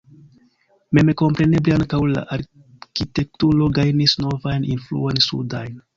Memkompreneble ankaŭ la arkitekturo gajnis novajn influojn sudajn.